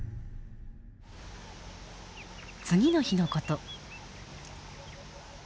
次の日のこと。